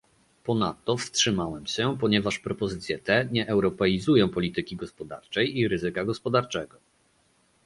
Ponadto wstrzymałem się, ponieważ propozycje te nie europeizują polityki gospodarczej i ryzyka gospodarczego